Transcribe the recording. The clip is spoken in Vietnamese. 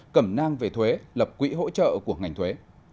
cẩm nang về thuế lập quỹ hỗ trợ của ngành thuế